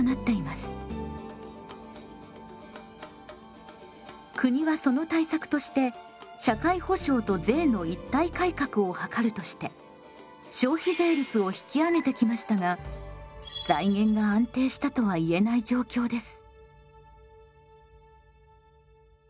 しかし国はその対策として社会保障と税の一体改革を図るとして消費税率を引き上げてきましたが財源が安定したとはいえない状況です。